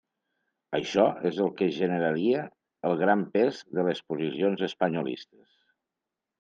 Això és el que generaria el gran pes de les posicions «espanyolistes».